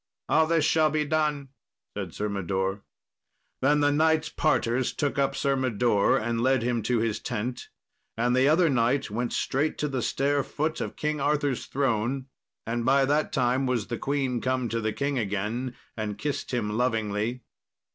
"All this shall be done," said Sir Mador. Then the knights parters took up Sir Mador and led him to his tent, and the other knight went straight to the stair foot of King Arthur's throne; and by that time was the queen come to the king again, and kissed him lovingly.